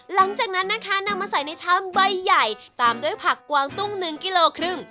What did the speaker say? หลังจากนั้นนะคะนำมาใส่ในชามใบใหญ่ตามด้วยผักกวางตุ้ง๑กิโลครึ่ง